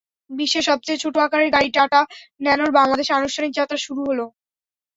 বিশ্বের সবচেয়ে ছোট আকারের গাড়ি টাটা ন্যানোর বাংলাদেশে আনুষ্ঠানিক যাত্রা শুরু হলো।